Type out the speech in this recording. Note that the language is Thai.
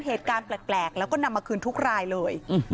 เหตุการณ์แปลกแล้วก็นำมาคืนทุกรายเลย